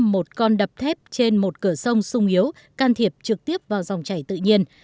một con đập thép trên một cửa sông sung yếu can thiệp trực tiếp vào dòng chảy tự nhiên